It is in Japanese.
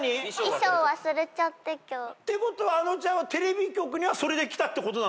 衣装忘れちゃって今日。ってことはあのちゃんはテレビ局にはそれで来たってことか。